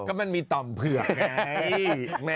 ก็มันมีต่อมเผือกไง